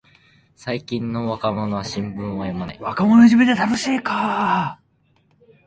最近の若者は新聞を読まない